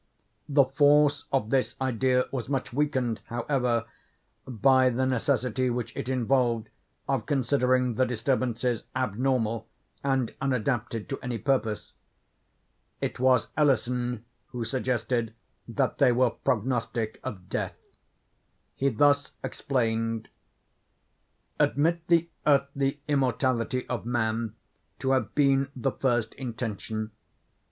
The force of this idea was much weakened, however, by the necessity which it involved of considering the disturbances abnormal and unadapted to any purpose. It was Ellison who suggested that they were prognostic of death. He thus explained:—Admit the earthly immortality of man to have been the first intention.